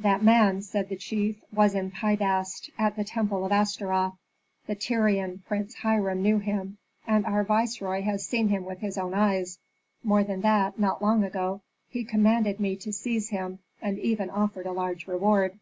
"That man," said the chief, "was in Pi Bast, at the temple of Astaroth. The Tyrian Prince Hiram knew him, and our viceroy has seen him with his own eyes. More than that, not long ago, he commanded me to seize him, and even offered a large reward."